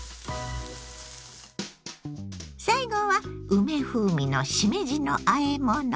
最後は梅風味のしめじのあえもの。